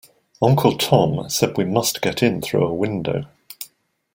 Uncle Tom said we must get in through a window.